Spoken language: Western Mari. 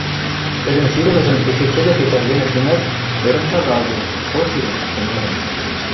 Тӹдӹн сирӹмӹжӹм эче чӹдӹ пецӓтленӹт гӹнят, ӧрӹн шагалде — со сирен, тыменьӹн